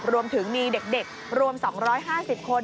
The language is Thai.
รวมถึงมีเด็กรวม๒๕๐คน